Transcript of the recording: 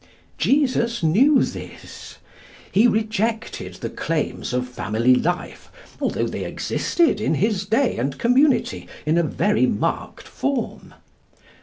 Jesus knew this. He rejected the claims of family life, although they existed in his day and community in a very marked form.